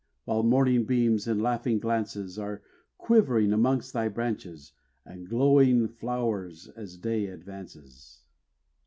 While morning beams in laughing glances Are quivering amongst thy branches And glowing flow'rs as day advances.